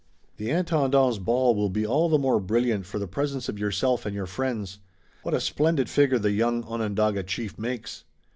"The Intendant's ball will be all the more brilliant for the presence of yourself and your friends. What a splendid figure the young Onondaga chief makes!"